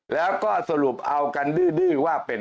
แล้วก็สรุปเอากันดื้อว่าเป็น